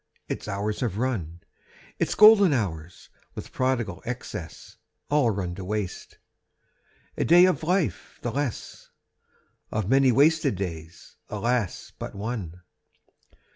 Its hours have run, Its golden hours, with prodigal excess, All run to waste. A day of life the less; Of many wasted days, alas, but one!